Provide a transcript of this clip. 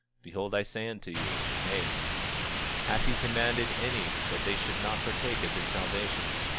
Behold, I say unto you, Nay. 26:27 Hath he commanded any that they should not partake of his salvation?